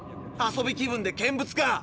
遊び気分で見物か！